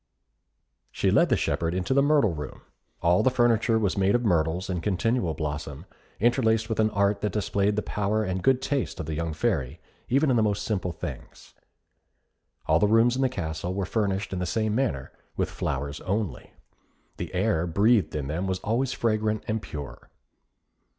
She led the shepherd into the Myrtle Room. All the furniture was made of myrtles in continual blossom, interlaced with an art that displayed the power and good taste of the young Fairy, even in the most simple things. All the rooms in the castle were furnished in the same manner, with flowers only. The air breathed in them was always fragrant and pure.